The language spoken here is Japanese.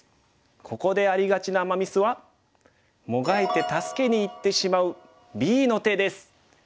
ここでありがちなアマ・ミスはもがいて助けにいってしまうＢの手です。